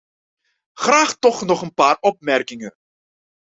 Graag toch nog een paar opmerkingen.